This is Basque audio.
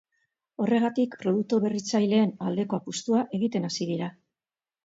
Horregatik, produktu berritzaileen aldeko apustua egiten hasi dira.